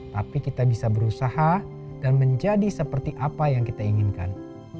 tapi kita bisa berusaha dan menjadi seperti apa yang kita inginkan